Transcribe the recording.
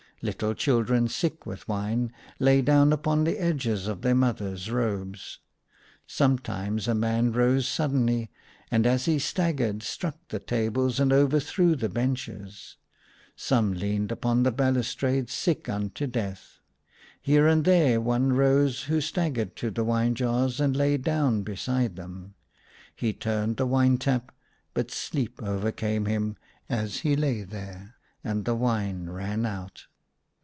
Little children, sick with wine, lay down upon the edges of their mothers' robes. ACROSS MY BED. 151 Sometimes, a man rose suddenly, and as he staggered struck the tables and overthrew the benches ; some leaned upon the balustrades sick unto death. Here and there one rose who staggered to the wine jars and lay down beside them. He turned the wine tap, but sleep overcame him as he lay there, and the wine ran out.